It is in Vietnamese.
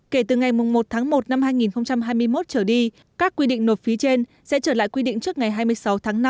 kể từ ngày một tháng một năm hai nghìn hai mươi một trở đi các quy định nộp phí trên sẽ trở lại quy định trước ngày hai mươi sáu tháng năm năm hai nghìn hai mươi